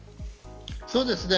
そうですね。